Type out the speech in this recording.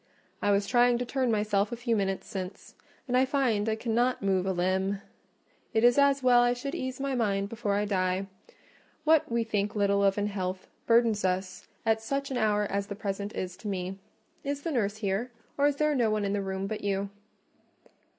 "I was trying to turn myself a few minutes since, and find I cannot move a limb. It is as well I should ease my mind before I die: what we think little of in health, burdens us at such an hour as the present is to me. Is the nurse here? or is there no one in the room but you?"